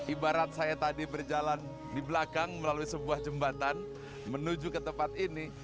ibarat saya tadi berjalan di belakang melalui sebuah jembatan menuju ke tempat ini